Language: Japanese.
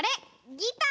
ギター！